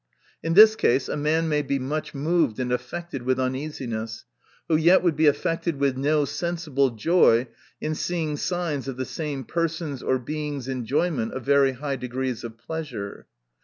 In this case a man may be much moved and affected with uneasiness, who yet would be affected with no sensible joy in seeing signs of the same person's or Being's enjoyment of very high degrees of pleasure.